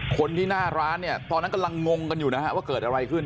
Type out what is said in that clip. คนที่หน้าร้านเนี่ยตอนนั้นกำลังงงกันอยู่นะฮะว่าเกิดอะไรขึ้น